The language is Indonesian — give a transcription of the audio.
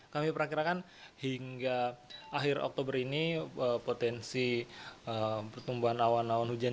kami perakirakan hingga akhir oktober ini potensi pertumbuhan awan awan hujan